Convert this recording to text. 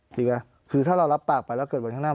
จริงไหมคือถ้าเรารับปากไปแล้วเกิดวันข้างหน้า